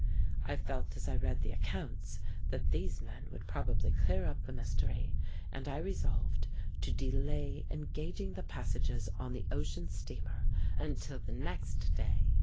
I felt as I read the accounts that these men would probably clear up the mystery, and I resolved to delay engaging the passages on the ocean steamer until the next day.